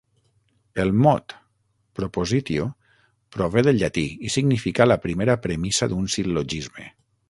El mot "propositio" prové del llatí i significa la primera premissa d'un sil·logisme.